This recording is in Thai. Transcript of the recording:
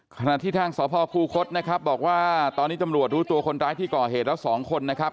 ขณะที่ทางสพคูคศนะครับบอกว่าตอนนี้ตำรวจรู้ตัวคนร้ายที่ก่อเหตุแล้ว๒คนนะครับ